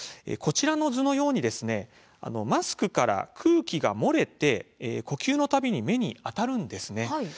こちらの図のようにマスクから空気が漏れて呼吸のたびに目に当たるんですね。